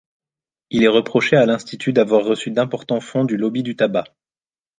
Il est reproché à l'institut d'avoir reçu d'importants fonds du lobby du tabac.